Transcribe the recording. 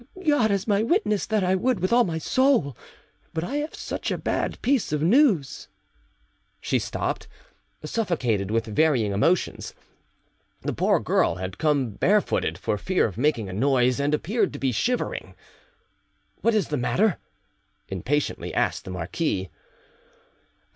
"God is my witness that I would with all my soul, but I have such a bad piece of news——" She stopped, suffocated with varying emotions. The poor girl had come barefooted, for fear of making a noise, and appeared to be shivering. "What is the matter?" impatiently asked the marquis.